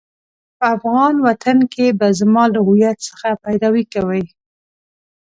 په افغان وطن کې به زما له هويت څخه پيروي کوئ.